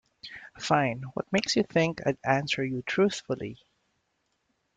Fine, what makes you think I'd answer you truthfully?